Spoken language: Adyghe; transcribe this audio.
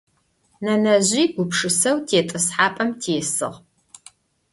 Nenezj gupşşıseu têt'ıshap'em têsığ.